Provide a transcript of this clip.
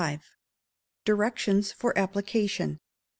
1695. Directions for Application.